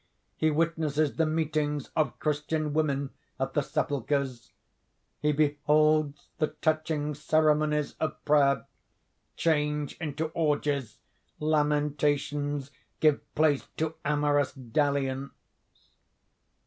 He witnesses the meetings of Christian women at the sepulchres. He beholds the touching ceremonies of prayer, change into orgies, lamentations give place to amorous dalliance.